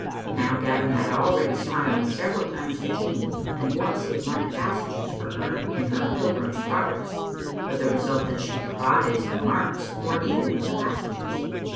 Now Gavin had already smiled several times to Jean, and once he had marked passages for her in her " Pilgrim's Progress," with the result that she prized the marks more even than the passages.